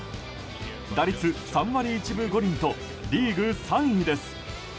打率、３割１分５厘とリーグ３位です。